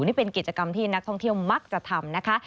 นี่เป็นกิจกรรมที่นักท่องเที่ยวมักจะทำนะคะ